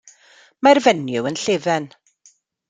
Mae'r fenyw yn llefen.